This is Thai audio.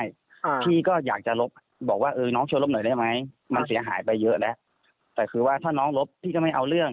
ค่ะพี่ก็อยากจะลบบอกว่าเออน้องช่วยลบหน่อยได้ไหมมันเสียหายไปเยอะแล้วแต่คือว่าถ้าน้องลบพี่ก็ไม่เอาเรื่อง